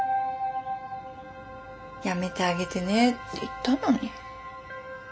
やめてあげてねって言ったのに。